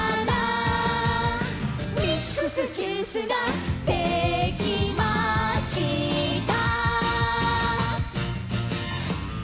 「ミックスジュースができました」